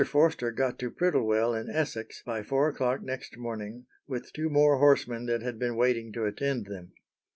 Forster got to Prittlewell in Essex by four o'clock next morning, with two more horsemen that had been waiting to attend them.